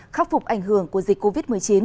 khắc phục ảnh hưởng của dịch covid một mươi chín